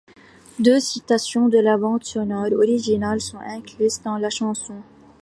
Deux citations de la bande sonore originale sont incluses dans la chanson.